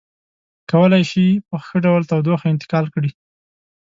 کولی شي په ښه ډول تودوخه انتقال کړي.